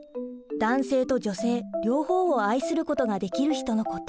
男性と女性両方を愛することができる人のこと。